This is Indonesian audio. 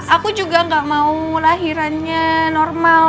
aku juga gak mau lahirannya normal